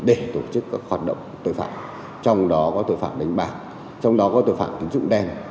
để tổ chức các hoạt động tội phạm trong đó có tội phạm đánh bạc trong đó có tội phạm tín dụng đen